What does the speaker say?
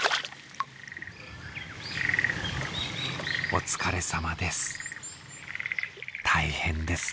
お疲れさまです。